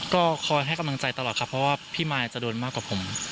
ก็คอยให้กำลังใจตลอดครับเพราะว่าพี่มายจะโดนมากกว่าผม